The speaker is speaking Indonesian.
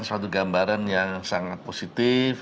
suatu gambaran yang sangat positif